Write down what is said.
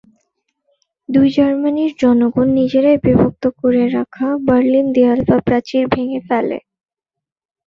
দুই জার্মানির জনগণ নিজেরাই বিভক্ত করে রাখা বার্লিন দেয়াল বা প্রাচীর ভেঙে ফেলে।